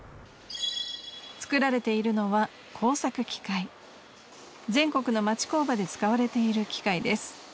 作られているのは全国の町工場で使われている機械です。